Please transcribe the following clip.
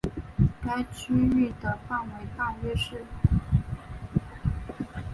该区域的范围大约是。